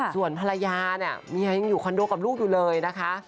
ส่วนภรรยาเนี่ยเมียยังอยู่คอนโดกับลูกอยู่เลยนะคะ